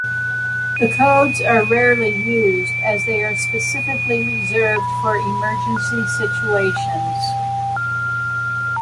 The codes are rarely used as they are specifically reserved for emergency situations.